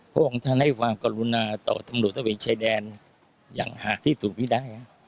พระองค์ท่านให้กรุณาต่อตำรวจตะเวนชายแดนอย่างหากได้